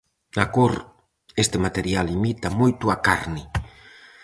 Na cor, este material imita moito a carne!